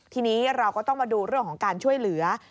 ทีนี้เราก็ต้องมาดูเรื่องของการช่วยเหลือ